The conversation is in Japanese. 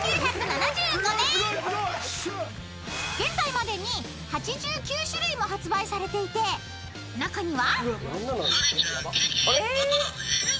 ［現在までに８９種類も発売されていて中には］